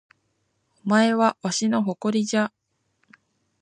お前はわしの誇りじゃ